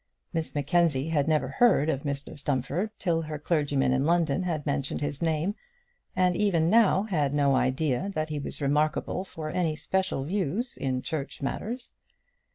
Miss Mackenzie had never heard of Mr Stumfold till her clergyman in London had mentioned his name, and even now had no idea that he was remarkable for any special views in Church matters.